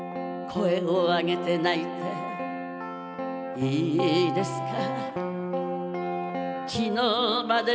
「声をあげて泣いていいですか」